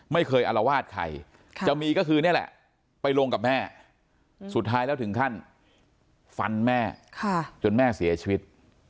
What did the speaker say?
อารวาสใครจะมีก็คือนี่แหละไปลงกับแม่สุดท้ายแล้วถึงขั้นฟันแม่จนแม่เสียชีวิต